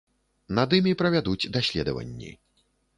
Над імі правядуць даследаванні.